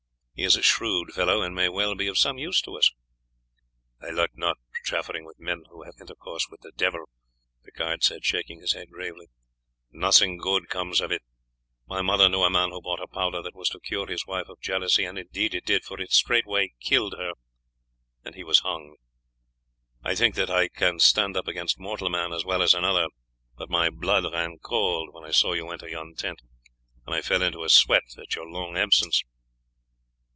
He is a shrewd fellow, and may well be of some use to us." "I like not chaffering with men who have intercourse with the devil," Picard said, shaking his head gravely; "nothing good comes of it. My mother knew a man who bought a powder that was to cure his wife of jealousy; and indeed it did, for it straightway killed her, and he was hung. I think that I can stand up against mortal man as well as another, but my blood ran cold when I saw you enter yon tent, and I fell into a sweat at your long absence."